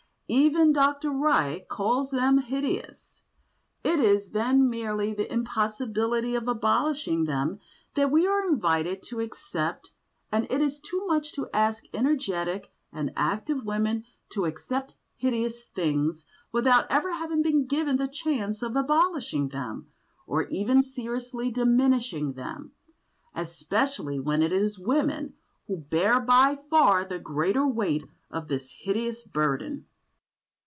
Even Dr. Reich calls them "hideous." It is, then, merely the impossibility of abolishing them that we are invited to accept, and it is too much to ask energetic and active women to accept "hideous" things, without ever having been given the chance of abolishing them, or even seriously diminishing them, especially when it is women who bear by far the greater weight of this hideous burden.